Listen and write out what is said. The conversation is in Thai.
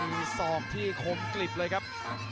มีศอกที่คมกลิบเลยครับ